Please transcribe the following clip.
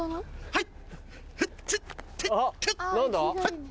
はい！